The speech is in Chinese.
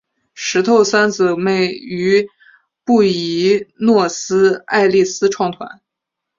石头三姊妹于布宜诺斯艾利斯创团。